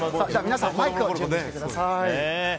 皆さんマイクを準備してください。